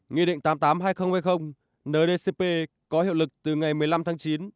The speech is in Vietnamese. nghị định tám mươi tám hai nghìn hai mươi ndcp có hiệu lực từ ngày một mươi năm tháng chín